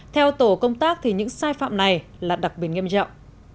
theo tổ công tác thì những sai phạm này là đặc biệt nghiêm trọng